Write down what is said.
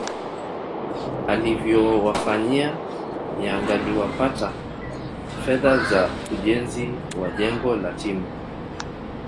alivyowafanyia yangaaliwapata fedha za ujenzi wa jengo la timu